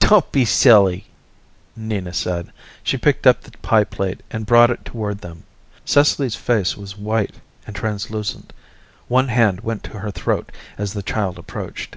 "Don't be silly," Nina said. She picked up the pie plate and brought it toward them. Cecily's face was white and translucent, one hand went to her throat as the child approached.